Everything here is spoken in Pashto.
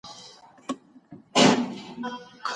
هیڅوک باید بد ګمان ونه لري.